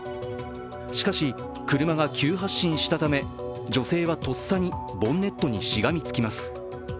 しかし、車が急発進したため、女性はとっさにボンネットにしがみつきます。